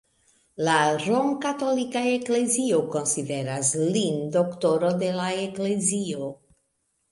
La Romkatolika Eklezio konsideras lin Doktoro de la Eklezio.